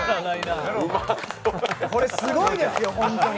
これ、すごいですよ、本当に。